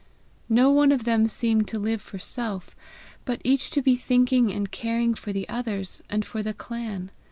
No one of them seemed to live for self, but each to be thinking and caring for the others and for the clan.